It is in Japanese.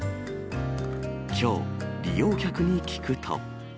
きょう、利用客に聞くと。